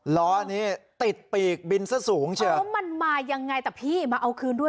ล้อนี้ติดปีกบินซะสูงใช่ไหมแล้วมันมายังไงแต่พี่มาเอาคืนด้วย